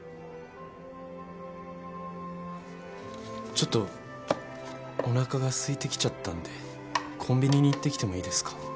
ちょっとおなかがすいてきちゃったんでコンビニに行ってきてもいいですか？